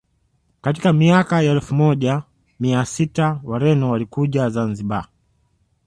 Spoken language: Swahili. Katika miaka ya elfu moja na mia sita Wareno walikuja Zanzibar